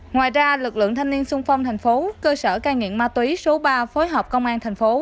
ngoài ra lực lượng thanh niên sung phong thành phố cơ sở cai nghiện ma túy số ba phối hợp công an thành phố